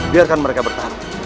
biarkan mereka bertahan